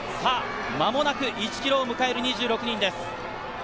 間もなく１ｋｍを迎える２６人です。